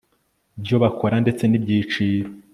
byo bakora ndetse n ibyiciro